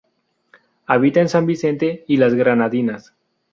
Habita en San Vicente y las Granadinas.